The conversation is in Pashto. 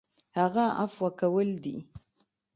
هغه عفوه کول دي .